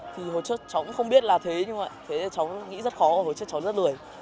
thì hồi trước cháu cũng không biết là thế nhưng mà thế cháu nghĩ rất khó hồi trước cháu rất lười